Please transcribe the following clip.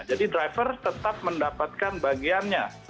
jadi driver tetap mendapatkan bagiannya